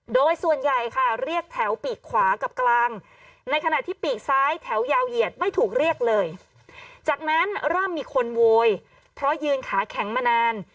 โดยส่วนใหญ่ค่ะเรียกแถวปีกขวากับกลางในขณะที่ปีกซ้ายแถวยาวเหยียดไม่ถูกเรียกเลยจากนั้นเริ่มมีคนโวยเพราะยืนขาแข็งมานาน